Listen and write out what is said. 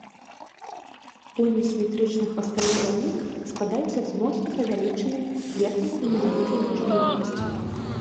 Буйны сіметрычны хваставы плаўнік складаецца з моцна павялічанай верхняй і невялікай ніжняй лопасцей.